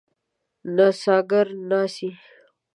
نڅاګر ناڅي.